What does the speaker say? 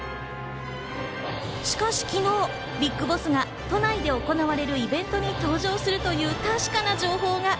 しかし昨日、ＢＩＧＢＯＳＳが都内で行われるイベントに登場するという確かな情報が。